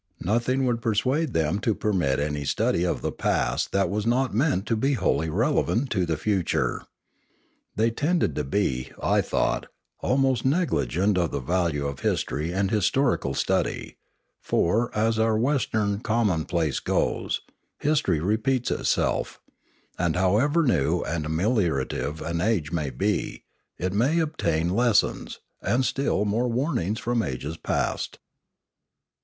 Nothing would persuade them to permit any study of the past that was not meant to be wholly relevant to the future. They tended to be, I thought, almost negligent of the value of history and historical study; for, as our Western commonplace goes, history repeats itself; and however new and ameliorative an age may be, it may obtain lessons, and still more warnings, from ages past.